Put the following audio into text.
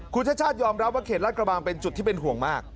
คุณชาติชาติยอมรับว่าเขตลาดกระบังเป็นจุดที่เป็นห่วงมาก